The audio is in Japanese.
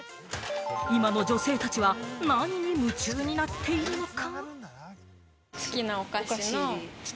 今の女性たちは何に夢中になっているのか？